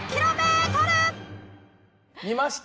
見ました？